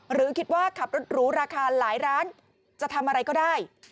หรือคิดว่าขับรถหรูราคาหลายร้านจะทำอะไรก็ได้